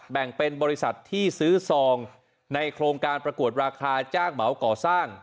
แบ่งเป็นบริษัทที่ซื้อซองในโครงการประกวดราคาจ้างเหมาก่อสร้าง